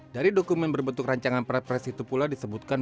dari dokumen berbentuk rancangan perpres itu pula disebutkan